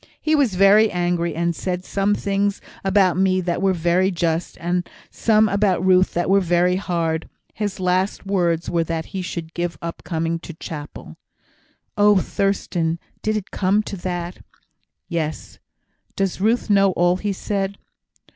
He was very angry, and said some things about me that were very just, and some about Ruth that were very hard. His last words were that he should give up coming to chapel." "Oh, Thurstan! did it come to that?" "Yes." "Does Ruth know all he said?"